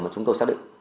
mà chúng tôi xác định